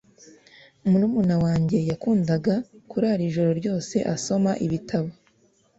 Murumuna wanjye yakundaga kurara ijoro ryose asoma ibitabo